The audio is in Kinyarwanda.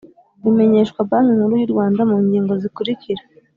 bimenyeshwa banki nkuru y’u rwanda mu ngingo zikurikira